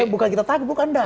bukan kita taguh bukan